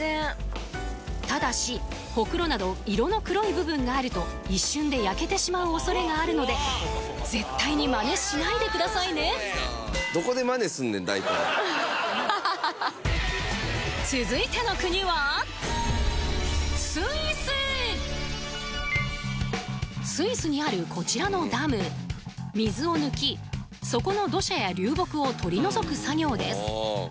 ただしほくろなど色の黒い部分があると一瞬で焼けてしまう恐れがあるので続いての国はスイスにあるこちらのダム水を抜き底の土砂や流木を取り除く作業です